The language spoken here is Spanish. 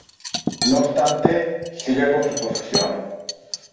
No obstante, sigue con su profesión.